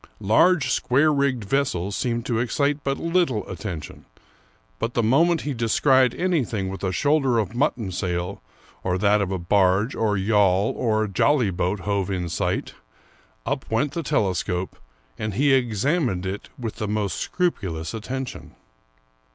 Large square rigged vessels seemed to ex cite but little attention ; but the moment he descried anything with a shoulder of mutton ^ sail, or that a barge or yawl or jolly boat hove in sight, up went the telescope, and he ex amined it with the most scrupulous attention.